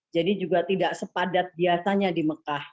jadi juga tidak sepadat biasanya di mekah